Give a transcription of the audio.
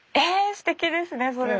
すてきですねそれも。